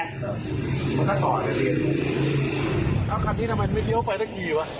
เออมันก็ต่อไปเรียนเอ้าคันนี้ทำไมไม่เดี๋ยวไปได้กี่หวะ